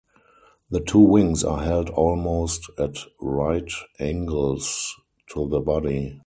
The two wings are held almost at right angles to the body.